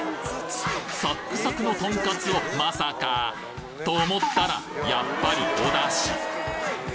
さっくさくのとんかつをまさかと思ったら、やっぱりおだし。